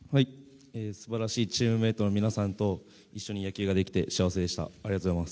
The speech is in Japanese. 素晴らしいチームメートの皆さんと一緒に野球ができて幸せでした。